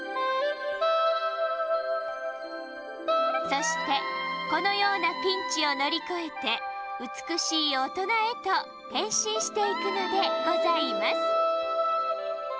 そしてこのようなピンチをのりこえてうつくしいおとなへとへんしんしていくのでございます。